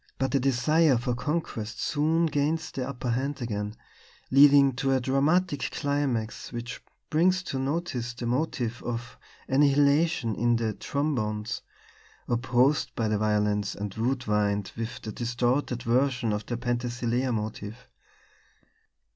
But the desire for conquest soon gains the upper hand again, leading to a dramatic climax which brings to notice the motive of annihilation in the trombones opposed by the violins and wood wind with a distorted version of the Penthesilea motive.